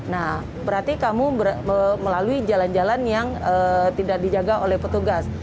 nah berarti kamu melalui jalan jalan yang tidak dijaga oleh petugas